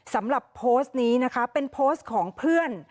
สำหรับโพสต์นี้นะคะเป็นโพสต์ของเพื่อน